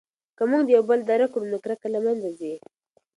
که موږ یو بل درک کړو نو کرکه له منځه ځي.